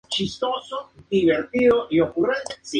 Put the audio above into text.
Juan le llevó en barco a Rodas.